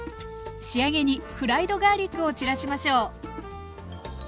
仕上げにフライドガーリックを散らしましょう。